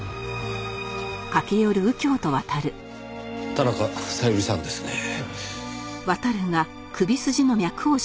田中小百合さんですねぇ。